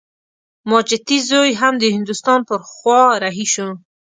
ماجتي زوی هم د هندوستان پر خوا رهي شو.